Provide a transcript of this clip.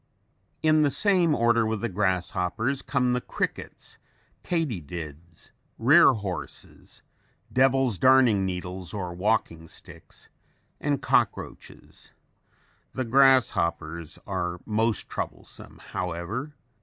] In the same order with the grasshoppers come the crickets, katydids, rear horses, devil's darning needles or walking sticks, and cockroaches. The grasshoppers are most troublesome, however.